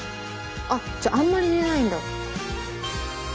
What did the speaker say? あっじゃああんまり入れないんだ。